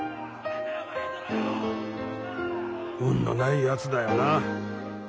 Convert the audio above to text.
運のないやつだよなあ。